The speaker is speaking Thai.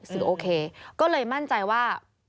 โอเคก็เลยมั่นใจว่า